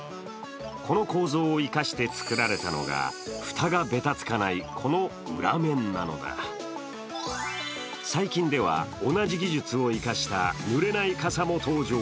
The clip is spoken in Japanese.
この構造を生かして作られたのが蓋がべたつかない、この裏面なのだ最近では、同じ技術を生かしたぬれない傘も登場。